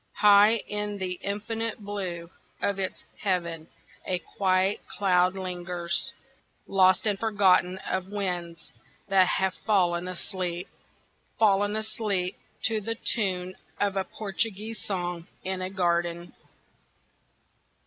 High in the infinite blue of its heaven a quiet cloud lingers, Lost and forgotten of winds that have fallen asleep, Fallen asleep to the tune of a Portuguese song in a garden.